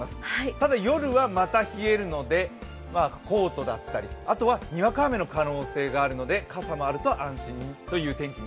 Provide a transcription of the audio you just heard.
ただ夜はまた冷えるのでコートだったり、あとはにわか雨の可能性もあるので傘があると安心ですね。